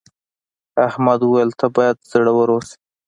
احمد وویل ته باید زړور اوسې.